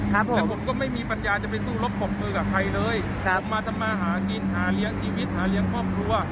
แล้วผมก็ไม่มีปัญญาจะไปสู้รบปรบมือกับใครเลยครับมาทำมาหากินหาเลี้ยงชีวิตหาเลี้ยงครอบครัว